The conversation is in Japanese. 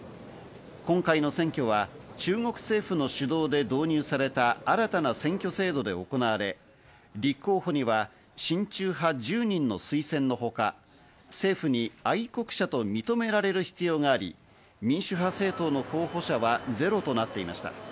今回の選挙は中国政府の主導で導入された新たな選挙制度で行われ、立候補には親中派１０人の推薦のほか、政府に愛国者と認められる必要があり、民主派政党の候補者はゼロとなっていました。